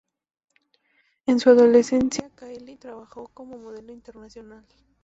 En su adolescencia Kylie trabajó como modelo internacional.